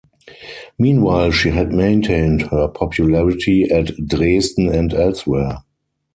Meanwhile, she had maintained her popularity at Dresden and elsewhere.